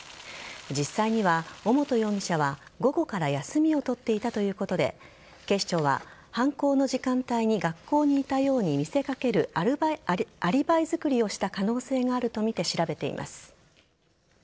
実際には、尾本容疑者は午後から休みを取っていたということで警視庁は犯行の時間帯に学校にいたように見せかけるアリバイ作りをした可能性があるとみて調べています。